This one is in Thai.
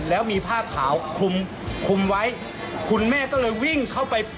แล้วมีผ้าขาวคลุมคุมไว้คุณแม่ก็เลยวิ่งเข้าไป